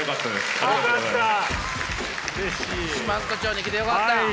四万十町に来てよかった？